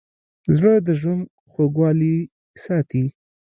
زړه د ژوند خوږوالی ساتي.